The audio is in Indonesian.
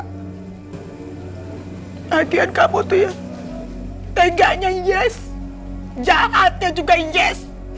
lagi lagi kamu tuh yang tegaknya yes jahatnya juga yes